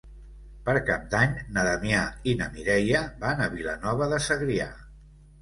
Per Cap d'Any na Damià i na Mireia van a Vilanova de Segrià.